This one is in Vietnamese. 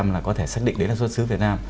ba mươi là có thể xác định đấy là xuất xứ việt nam